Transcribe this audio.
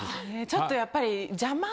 ちょっとやっぱり邪魔？